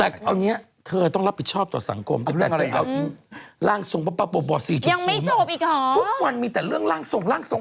เกิดเหตุก็สองคันรถกระดาษสองคันหนึ่งอีกนะคะ